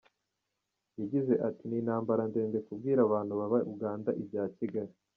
Yagize ati n’intambara ndende kubwira abantu baba Uganda ibya Kigali !